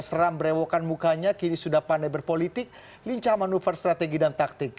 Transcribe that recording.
seram berewokan mukanya kini sudah pandai berpolitik lincah manuver strategi dan taktik